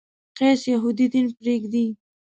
قیس یهودي دین پرېږدي.